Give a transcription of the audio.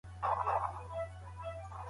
دغه روايت د امام محمد بن حسن څخه هم منقول دی.